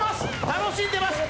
楽しんでます。